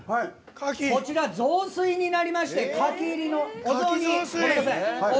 こちら、雑炊になりましてカキ入りのお雑煮。